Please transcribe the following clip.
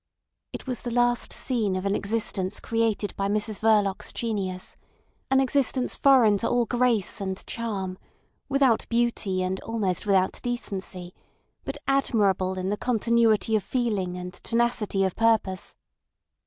It was the last scene of an existence created by Mrs Verloc's genius; an existence foreign to all grace and charm, without beauty and almost without decency, but admirable in the continuity of feeling and tenacity of purpose.